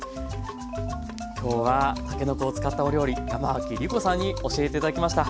今日はたけのこを使ったお料理山脇りこさんに教えて頂きました。